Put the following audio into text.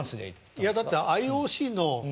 いやだってＩＯＣの。